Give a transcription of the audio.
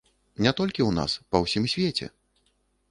Не толькі ў нас, па ўсім свеце.